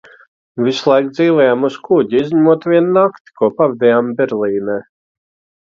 Visu laiku dzīvojām uz kuģa, izņemot vienu nakti, ko pavadījām Berlīnē.